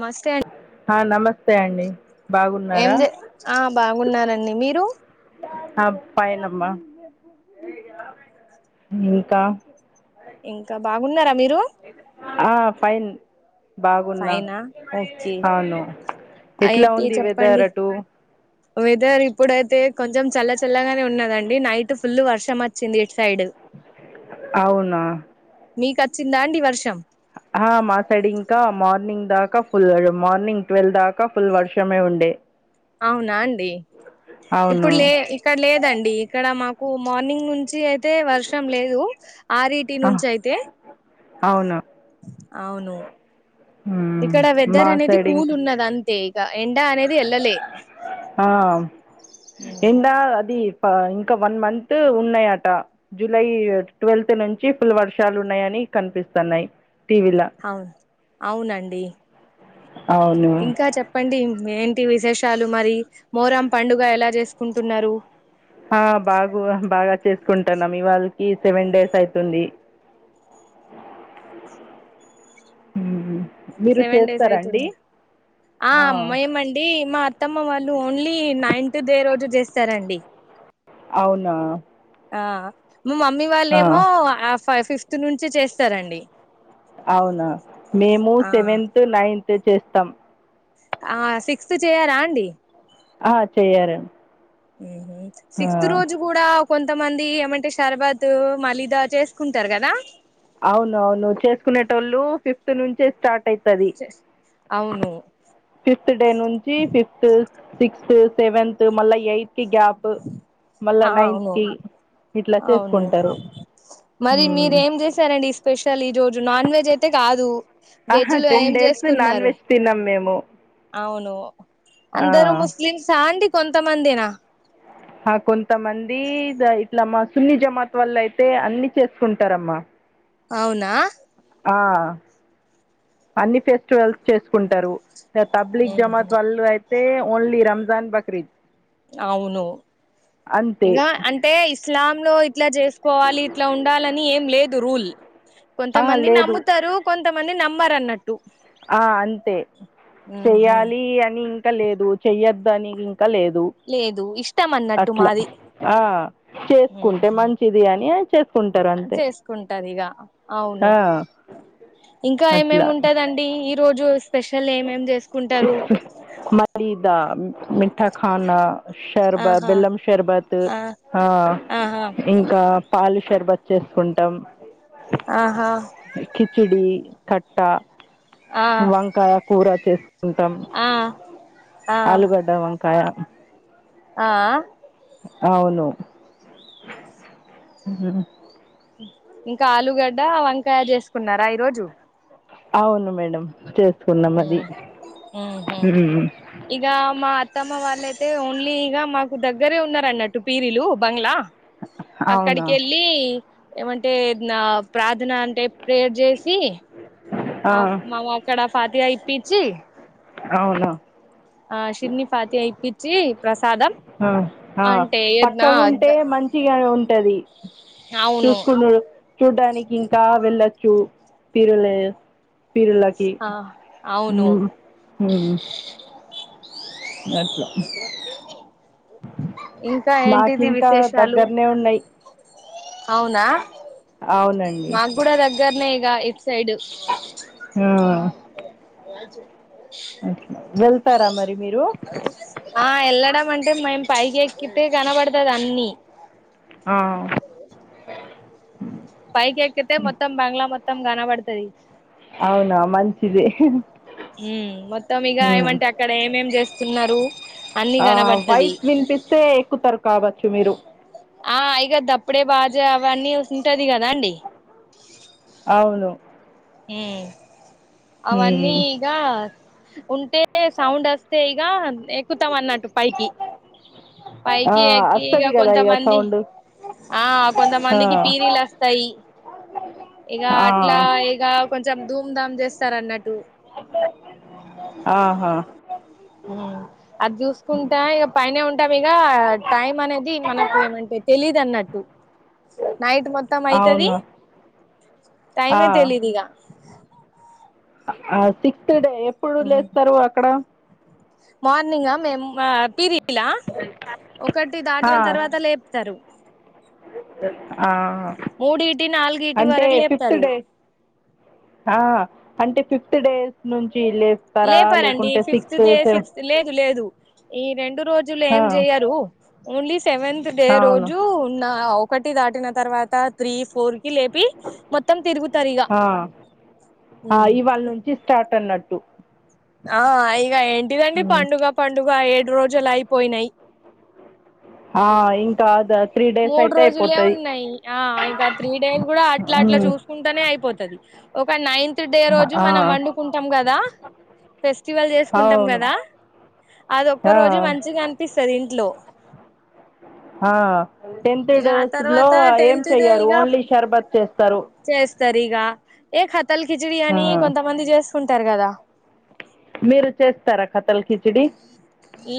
నమస్తే అండి ఆ నమస్తే అండి ఏం బాగున్నారా చే ఆ బాగున్ననండి మీరు ఆ ఫైన్ అమ్మ ఇంకా ఇంకా బాగున్నారా మీరు ఆ ఫైన్ బాగున్నా ఫైనా ఓకే అవును ఎట్లా అయితే ఉంది వెదర్ చెప్పండి అటు వెదర్ ఇప్పుడైతే కొంచెం చల్ల చల్లగానే ఉన్నదండి నైట్ ఫుల్ వర్షం వచ్చింది ఇటు సైడ్ అవునా మీకచ్చిందాఅండి వర్షం ఆ మా సైడి ఇంకా మార్నింగ్ దాకా ఫుల్ మార్నింగ్ ట్వెల్వ్ దాకా ఫుల్ వర్షమే ఉండే అవునా అండి అవును ఇప్పుడు లే ఇక్కలేదండి ఇక్కడ మాకు మార్నింగ్ నుంచి అయి తే వర్షం లేదు ఆరీటి ఆ, నుంచి అయితే అవును అవును మ్మ్. ఇక్కడ మా వెదర్ అనేది సైడ్ కూల్ ఇంకా ఉన్నది అంత్ తే ఇగా ఎండ అనేది ఎల్లలే ఆ ఏండా అది ఇంకా వన్ మంత్ ఉన్నాయాట జులై ట్వెల్త్ నుంచి ఫుల్ వర్షాలు ఉన్నాయని కనిపిస్తున్నాయి టీవీలా అవును అవునండి అవును ఇంకా చెప్ప ప్పండి ఏంటి విశేషాలు మరి మోరం పండుగ ఎలా చేసుకుంటున్నారు ఆ బాగు బాగా చేసుకుంటాన్నాం ఇవాళకి సెవెన్ డేస్ అయితుంది ఉ సెవెన్ డేస్ అయితుంది ఆ అత్తమ్మ వాళ్ళు ఓన్లీ నైన్త్ డే రోజు చేస్తారండి అవునా మా మమ్మీ ఆ వాళ్ళేమో ఆ పై ఫిఫ్త్ నుంచి చేస్తారండి అవునా మేము ఆ సెవెన్త్ నైన్త్ చేస్తాం ఆ సిక్స్త్ చేయారా అండి ఆ చెయ్యరు ఆ సిక్స్త్ రోజు కూడా కొంతమంది ఏమంటే షర్బత్ మలీదా చేసుకుంటారు కదా అవును అవును చేసుకునేటోళ్ళు ఫిఫ్త్ నుంచే స్టార్ట్ అయితది అవును ఫిఫ్త్ డే నుంచి ఫిఫ్త్ సిక్స్త్ సెవెంత్ మళ్ళా ఎయిత్ కి గ్యాప్ మళ్ళా ఆ నైన్త్ అవును కి ఇట్లా అవును చేసుకుంటారు మరి మ్మ్ మీరు ఏం చేసారంండి ఈ స్పెషల్ ఈ రోజు నాన్ వెజ్ అయితే కాదు వెజ్ ఆహా లో టెన్ ఏం డేస్ నాన్ చేసుకున్నారు వెజ్ తిన్నాం మేము అవును ఆ అందరు ముస్లిమ్స్ అండి కొంత మందేనా ఆ కొంతమంది ద ఇట్లా మస్లీ జమాత వల్ల అయితే అన్ని చేసుకుంటారమ్మా అవునా ఆ అన్ని ఫెస్టివల్స్ చేసుకుంటారు త తబ్లిగ ఊహు, జమాత్ వాళ్ళ అయితే ఓన్లీ రంజాన్ బక్రీద్ అవును అంతే ఇగా ఆన్ టే ఇస్లాం లో ఇట్లా చేసుకోవాలి ఇట్లా ఉండాలని ఏం లేదు రూల్ ఆ కొంతమంది లేదు నమ్ముతారు కొంతమంది నమ్మారు అన్నట్టు ఆ అంతే చెయ్యాలి అని ఇంకా లేదు చెయ్యదు అని ఇంకా లేదు లేదు ఇష్టం అన్నట్టు అట్లా మాది ఆ చేసుకుంటే మంచిది అని ఆ చేసు చేసుకుంటది ఇగ అవును ఆ ఇంకా అట్లా ఏమేమి ఉంటదంటే టె ఈ రోజు స్పెషల్ ఏమేం చేసుకుంటరు పిలీదా మిఠాఖానా షర్బత్ ఆహా బెల్లం షర్బత్ ఆ ఆహా ఇంకా పాలు షర్బత్ చేసుకుంటాం ఆహా చిడి కట్ట ఆ వంకాయ కూర చేసుకు కుంటాం ఆ ఆ ఆలుగడ్డ వంకాయ ఆ అ అవును ఇంకా ఆలుగడ్డ వంకాయ చేసుకున్నారా ఈ రోజు అవును మేడం చేసుకున్నాం అది మ్మ్ ఊహూ ఉ ఇగ మా అత్తమ్మ వాళ్ళయితే ఓన్లీ ఇగ మాకు దగ్గరే ఉన్నారు అన్నట్టు పీరిలు బంగ్లా అవునా అక్కడికి ఎళ్ళి ళ్ళి ఏమంటే నా ప్రార్థన అంటే ప్రేయర్ చేసి ఆ మాము అక్కడ ఫాతియ ఇప్పించి అవునా ఆ షిర్నిఫాతియ ఇప్పిచ్చి ప్రసాదం ఆ ఆ అంటే పక్క నా గా ఉంటే మంచి ఇగా ఉంటది అవును చూసుకునుడు చూడ్డానికి ఇంకా వెళ్ళొచ్చు పిరలే పిర్లకి ఆ అవును ఉమ్ ఉమ్ అట్ల ఇంకా మాకి ఏంటిది ఇంకా విశేషాలు దగ్గరనే ఉన్నాయి అవునా అవునండి మాకు కూడా దగ్గరనే ఇగ ఇటు సైడ్ ఆ, వెళ్తారా మరి మీరు ఆ వెళ్ళడం అంటే మేం పైకి ఎక్కితే కనపడుతది అన్ని ఆ పైకి ఎక్కితే మొత్తం బంగ్లా మొత్తం కనబడుతది అవునా మంచిది ఉ మొత్తం ఇగ ఉమ్. ఏమంటే అక్కడ ఏమేమేం చేస్తున్నారు అన్ని ఆ కనబడుతది వాయిస్ వినిపిస్తే ఎక్కుతారు కావచ్చు మీరు ఆ ఇగ దప్పుడే బాజ అవన్నీ ఉంటది కదా అండి అవును ఉమ్ అవన్నీ ఉమ్. ఇగ ఉంటే సౌండ్ వస్తే ఇగ ఎక్కుతాం అన్నట్టు పైకి ఆ పైకి ఎక్కి ఇగ వస్తది కదా కొంత మంది సౌండ్ ఆ ఆ కొంతమందికి పీరీలు వస్తాయి ఇగ ఆ అట్లా ఇగ కొంచెం ధూమ్ ధామ్ చేస్తారు అన్నట్టు ఆహా ఊ అది చూసుకుంటా ఇగా పైనే ఉంటాము ఇగ టైమ్ అనేది మనకు ఏమంటే తెలీదు అన్నట్టు నైట్ మొత్తం అయితది అవును ఆ టైమే తెలియదు ఇగ ఆ సిక్స్త్ డే ఎప్పుడు లేస్తారు అక్కడ మార్నింగ్ ఆ మేము పిరిలా ఒకటి ఆ దాటిన తర్వాత లేపుతారు ఆ మూడు ఇటి నాలుగు ఇటి అంటే వరకు ఫిఫ్త్ లేపుతారు డే ఆ అంటే ఫిఫ్త్ డేస్ నుంచి ఇల్ళస్తారా లేపారండి లేకుంటే ఫిఫ్త్ సిక్స్త్ డే సెవె సిక్స్త్ లేదు లేదు ఈ రెండు రోజులు ఆ ఏం చెయరు ఓన్లీ సెవెన్ డే అవును రోజు ఉన్న ఒకటి దాటిన తర్వాత త్రీ ఫోర్ లేపి మొత్తం తిరుగుతారు ఇగ వాళ్ళ నుంచి స్టార్ట్ అన్నట్టు ఆ ఇగ ఏంటిదండి మ్ పండుగ పండుగ ఏడు రోజులు అయిపోయినాయి ఆ ఇంకా అద మూడు రోజులే ఉన్నాయి ఆ ఇంక త్రీ డేని కూడా అట్లా అట్లా మ్ చూస్త కుంటానే అయిపోతుది ఒక నైన్త్ డే రోజు ఆ మనం వండుకుంటాం కదా ఫెస్టివల్ చేసుకుంటాం అవును కదా అది ఒక్క ఆ రోజే మంచిగా అనిపిస్తది ఇంట్లో ఆ టెన్త్ ఇక ఆ డేస్ లో తర్వాత ఏం టెన్త్ దే చెయ్యరు ఇక ఓన్లీ షర్బత్ చేస్తారు చేస్తారు ఇగ ఏ కతల్ కిచడి ఆ అని కొంతమంది చేసుకుంటారు కదా మీరు చేస్తారా కతల్ కిచడి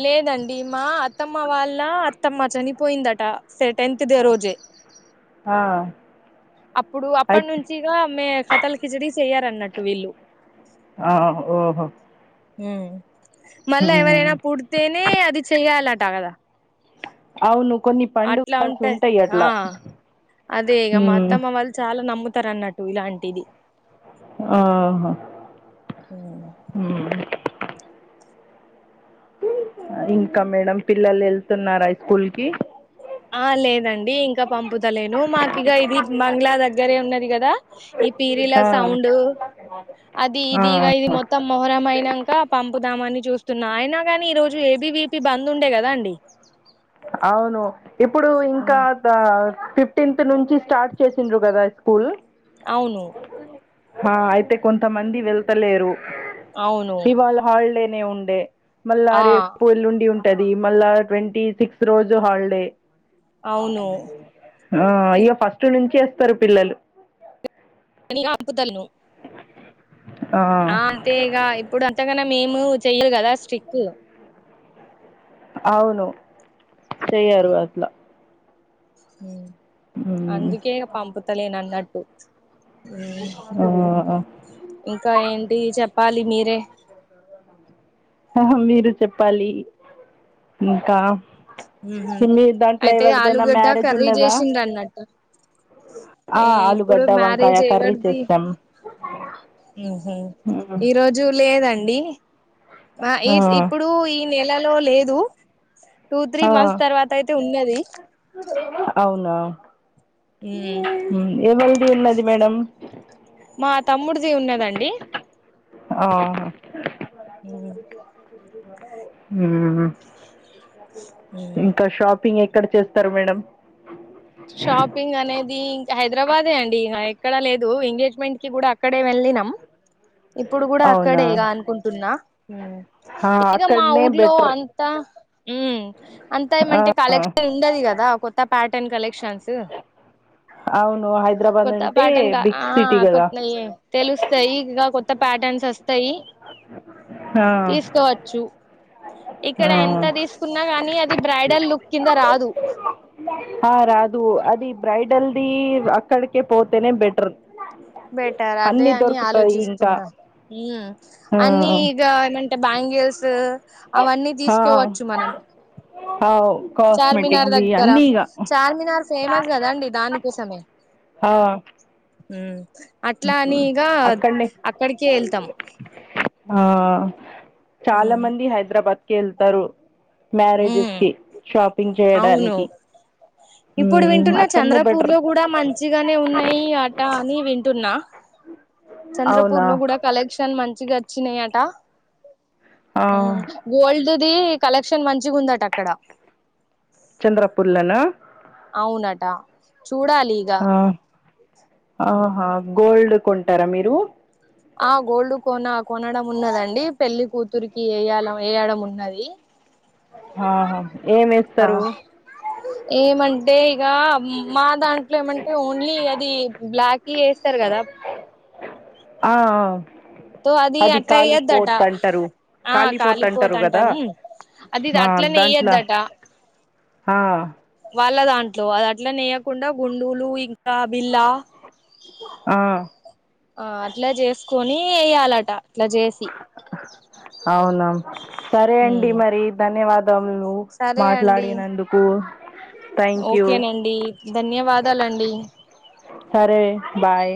లేదండి మా అత్తమ్మ వాళ్ళ అత్తమ్మ చనిపోయిందట టెన్త్ డే రోజే ఆ అప్పుడు అప్పటి అయితే నుంచిగా మే కతల్ కిచడి చెయ్యారన్నట్టు వీళ్ళు ఆ ఓహో ఉ మళ్ళా ఎవరైనా ఉమ్ పుడితేనే అది చెయాలట కదా అవును కొన్ని అట్లా పండుగల్స్ ఉంటే ఉంటాయి ఆ అట్లా అదే ఇక మా ఉమ్ అత్తమ్మ వాళ్ళు చాలా నమ్ముతారు అన్నట్టు టు ఇలాంటిది ఆహా హ్మ్ ఇంకా మేడం పిల్లలు వెళ్తున్నారు స్కూల్ కి ఆ లేదండి ఇంకా పంపుతలేను మాకు ఇగ ఇది బంగ్లా దగ్గరే ఉన్నది కదా ఈ పీరిలా ఆ సౌండ్ అది ఆ ఇది ఈగ ఇవి మొత్తం మొహరంమైననాక పంపుదామని చూస్తున్నా అయినా కానీ ఈరోజు ఏబీవిపి బంద్ ఉండే కదా అండి అవును ఇప్పుడు ఇంకా ఫిఫ్టీన్త్ నుంచి స్టార్ట్ చేసిండ్రు కదా స్కూల్ అవును అయితే కొంతమంది వెళ్తలేరు అవును ఇవాళ హాలిడేనే ఉండే మళ్ళా ఆ రేపు ఎల్లుండి ఉంటది మళ్ళా ట్వంటీ సిక్స్ రోజు హాలిడే అవును ఆ అయ్యో ఫస్ట్ నుంచి వస్తారు పిల్లలు అ ఆపుతలలను ఆ అంతే ఇక ఇప్పుడు అంతగాన మేము చెయ్యదు కదా స్ట్రిక్ అవును చెయ్యరు అట్లా ఉమ్, అందుకే పంపుతలేన అన్నట్టు ఇంకా ఏంటి చెప్పాలి మీరే మీరు చెప్పాలి ఇంకా ఉహు ఇ మీ దాంట్లో అయితే ఎవరిదైనా ఆలుగడ్డ మ్యారేజ్ కర్రీ ఉండదా చేసిండ్రు అన్నట్టు ఆ ఏ ఇప్పుడు ఆలుగడ్డ వంకాయ మ్యారేజ్ కర్రీ చేస్తాం ఊహు ఉమ్, ఈ రోజు లేదండి మా ఈ ఆ ఇప్పుడూ ఈ నెలలో లేదు టూ త్రీ ఆ మంత్స్ తర్వాతయితే ఉన్నది అవునా ఉ ఎవల్ది ఉన్నది మేడం మా తమ్ముడిది ఉన్నదండి ఆ ఊ ఊహు ఇంక షాపింగె ఎక్కడ చెత్తరు మేడం షాపింగనేది హైద్రాబాదే అండి ఇగ ఎక్కడ లేదు ఎంగేజ్మెంట్కి కూడా అక్కడే వెళ్లినం ఇప్పుడు గూడా అవునా అక్కడే ఇగ అనుకుంటున్నా ఆ, ఇగ మా అక్కడనే ఊర్లో బెటర్ అంతా మ్మ్మ్ అంతా ఆ, ఏమంటె కలెక్షన్ ఉండది గదా కొత్త ప్యాటర్న్ కలెక్షన్స్ అవును హైదరాబాద్ కొత్త అంటే పాటలా ఆ బిగ్ సిటీ కదా పెట్లే ఏం తెలుస్తయి ఇంకా కొత్త ప్యాటర్న్సొస్తయి ఆ, తీసుకోవచ్చు ఇక్కడ ఆ. ఎంత తీసుకున్నా గనీ అది బ్రైడల్ లుక్ కింద రాదు ఆ రాదు అది బ్రైడల్దీ అక్కడికే పోతనే బెటర్ బెటర్ అదే అన్నీ అని దొరుకుతాయి ఇంకా ఆలోచిస్తున్నా ఆ అన్నీ ఇగ టే బ్యాంగిల్స్ అవన్నీ తీసుకోవచ్చు మనం అవు చార్మినార్ కాస్మటిక్స్ది దగ్గర అన్నీ ఇగా చార్మినార్ ఫేమస్ కదండి ఆ ఉ అట్లా అనీ ఉమ్, ఇగా అక్కడనే అక్కడికే ఎళ్తం ఆ చాల ఉమ్ మంది హైదరాబాద్కె ఎళ్తరు ఉమ్ మ్యారేజెస్కి షాపింగ్ అవును చేయడానికి ఇప్పుడు మ్మ్ వింటున్న అక్కడనే బెటర్ చంద్రపూర్లొ గూడ మంచిగనే ఉన్నయి అటా అని వింటున్నా అవునా చంద్రపూర్లో గూడ కలెక్షన్ మంచిగచ్చినయట ఆ గోల్డ్దీ కలక్షన్ మంచిగుందట అక్కడ చంద్రపూర్లనా అవునట చూడాలీ ఇగ ఆ ఆహ గోల్డ్ కొంటారా మీరూ ఆ గోల్డ్ కోన కొనడం ఉన్నదండి పెళ్లి కూతురికి ఎయల ఏయడం ఉన్నది ఆహా ఆ ఏమేస్తరు ఏమంటే ఇగా మా దాంట్లో ఏమంటె ఓన్లీ అదీ బ్లాక్ కి ఏస్తరు గదా ఆ ఆ తో అది అట్లా వేయద్దట కాలిపోద్దంటరు ఆ కాలిపోతంటరు గదా కాలిపోతంటాం అది ఆ అట్లనే దాంట్ల వేయద్దట ఆ వాళ్ళ దాంట్లో అదట్ల నేయకుండా గుండూలు ఇ కాబిల్లా ఆ ఆ అట్ల జేసుకోనీ ఎయాలట అట్ల జేసి అవునా సరే అండి మరి ధన్యవాదములు సరే మాట్లాడినందుకు థ్యాంక్ యూ ఓకేనండీ ధన్యవాదాలండి సరే బాయ్